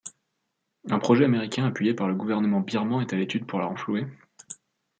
Un projet américain appuyé par le gouvernement birman est à l'étude pour la renflouer.